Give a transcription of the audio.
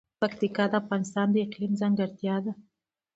پکتیکا د افغانستان د اقلیم ځانګړتیا ده.